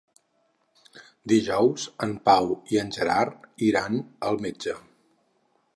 Dijous en Pau i en Gerard iran al metge.